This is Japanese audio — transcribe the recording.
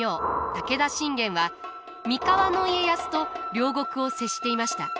武田信玄は三河の家康と領国を接していました。